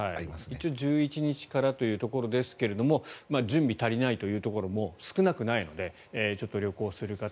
一応１１日からというところですが準備が足りないというところも少なくないのでちょっと旅行する方